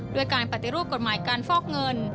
ด้วยการปฏิรูปกฎหมายการฟอกเงิน